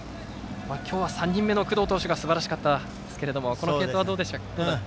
今日は３人目の工藤投手がすばらしかったと思いますがこの継投はどうでしたか。